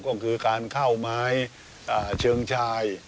ก็คือการเข้าไม้เชิงชาย